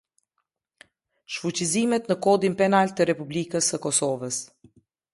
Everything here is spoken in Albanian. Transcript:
Shfuqizimet në Kodin Penal të Republikës së Kosovës.